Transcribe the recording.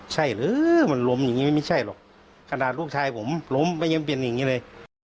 ใช่หรือมันล้มอย่างนี้มันไม่ใช่หรอกขนาดลูกชายผมล้มก็ยังเป็นอย่างนี้เลย